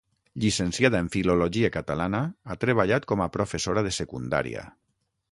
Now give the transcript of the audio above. Llicenciada en filologia catalana, ha treballat com a professora de secundària.